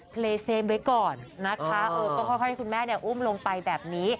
เลเซมไว้ก่อนนะคะก็ค่อยให้คุณแม่อุ้มลงไปแบบนี้